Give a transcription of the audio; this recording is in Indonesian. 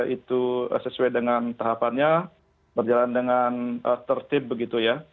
itu sesuai dengan tahapannya berjalan dengan tertib begitu ya